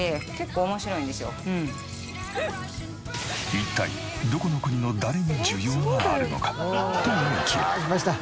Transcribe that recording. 一体どこの国の誰に需要があるのか？と思いきや。